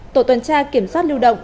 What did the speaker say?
tổ tuần tra kiểm soát lưu động